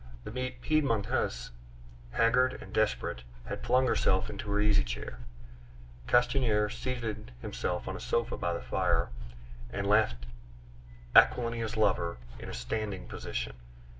The Piedmontese, haggard and desperate, had flung herself into her easy chair. Castanier seated himself on a sofa by the fire, and left Aquilina's lover in a standing position.